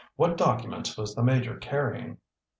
What documents was the Major carrying?"